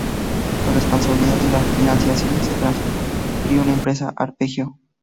La responsabilidad de la financiación se transfirió a la empresa Arpegio.